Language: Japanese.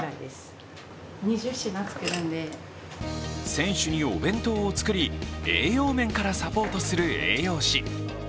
選手にお弁当を作り、栄養面からサポートする栄養士。